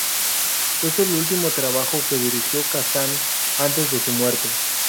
Es el último trabajo que dirigió Kazan antes de su muerte.